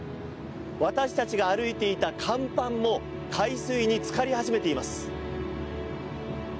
私たちが歩いていた甲板も海水につかり始めています。